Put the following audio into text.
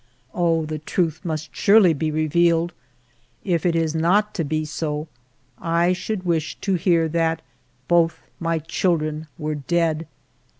Oh, the truth must surely be revealed. If it is not to be so, I should wish to hear that both my children were dead.